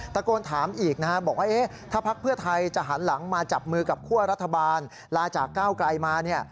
ตะโกนถามอีกนะฮะบอกว่าถ้าพักเพื่อไทยจะหันหลังมาจับมือกับคั่วรัฐบาลลาจากก้าวไกลมาเนี่ย